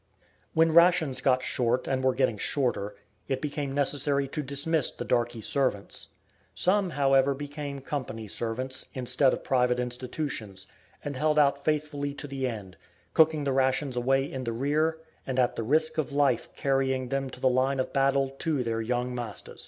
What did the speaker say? When rations got short and were getting shorter, it became necessary to dismiss the darkey servants. Some, however, became company servants, instead of private institutions, and held out faithfully to the end, cooking the rations away in the rear, and at the risk of life carrying them to the line of battle to their "young mahsters."